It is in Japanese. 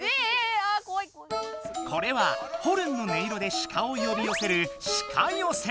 これはホルンの音色で鹿を呼び寄せる「鹿寄せ」。